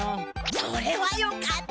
それはよかった。